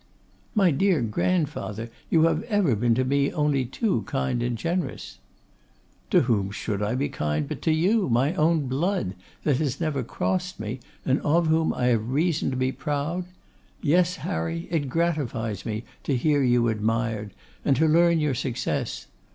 'My dear grandfather, you have ever been to me only too kind and generous.' 'To whom should I be kind but to you, my own blood, that has never crossed me, and of whom I have reason to be proud? Yes, Harry, it gratifies me to hear you admired and to learn your success.